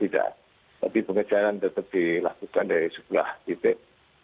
tapi pengejaran tetap dilakukan dari sebuah titik